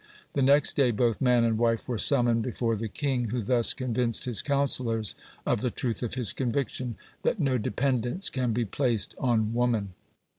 The next day both man and wife were summoned before the king, who thus convinced his counsellors of the truth of his conviction, that no dependence can be placed on woman.